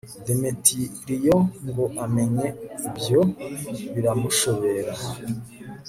demetiriyo ngo amenye ibyo biramushobera